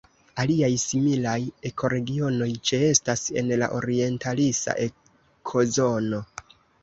Aliaj similaj ekoregionoj ĉeestas en la orientalisa ekozono.